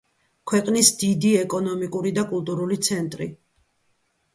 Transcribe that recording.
ქვეყნის დიდი ეკონომიკური და კულტურული ცენტრი.